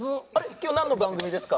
今日なんの番組ですか？